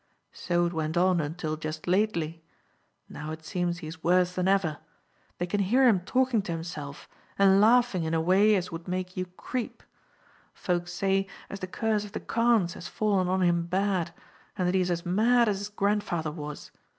So it went on until just lately. Now it seems he is worse than ever. They can hear him talking to himself, and laughing in a way as would make you creep. Folks say as the curse of the Carnes has fallen on him bad, and that he is as mad as his grandfather was.